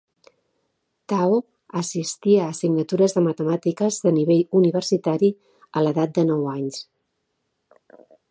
Tao assistia a assignatures de matemàtiques de nivell universitari a l'edat de nou anys.